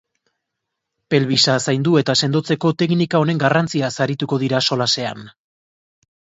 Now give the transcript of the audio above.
Pelbisa zaindu eta sendotzeko teknika honen garrantziaz arituko dira solasean.